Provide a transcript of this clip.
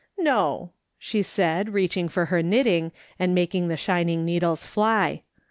" No," she said, reaching for her knitting, and making the shining needles fly.